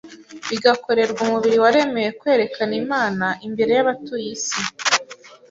bigakorerwa umubiri waremewe kwerekana Imana imbere y’abatuye isi.